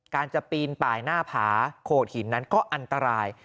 การจะปีนป่ายหน้าผาโขดหินนั้นก็อันตราย